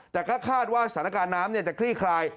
แต่ก็คาดว่าสถานการณ์น้ำจะคลี่คลาย